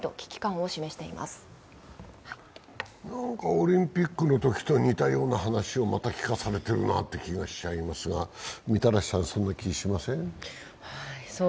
オリンピックのときと似たような話をまた聞かされてるなという気がしちゃいますが、みたらしさん、そんな気がしません？